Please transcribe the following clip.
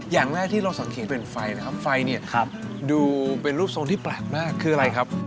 อย่างแรกที่เราสังเกตเป็นไฟนะครับไฟเนี่ยดูเป็นรูปทรงที่แปลกมากคืออะไรครับ